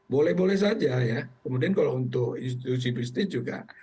boleh boleh saja ya kemudian kalau untuk institusi bisnis juga